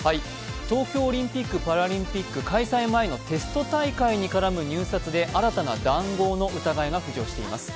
東京オリンピック・パラリンピック開催前のテスト大会に絡む入札で新たな談合の疑いが浮上しています。